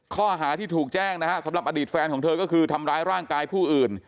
ข้อหาที่ถูกแจ้งนะฮะสำหรับอดีตแฟนของเธอก็คือทำร้ายร่างกายผู้อื่น